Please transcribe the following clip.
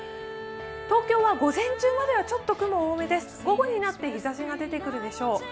東京は午前中まではちょっと雲が多めですが午後になって日ざしが出てくるでしょう。